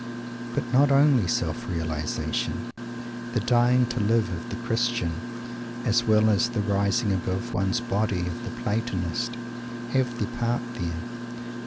But not only self realization. The "dying to live" of the Christian, as well as "the rising above one's body" of the Platonist, have their part there.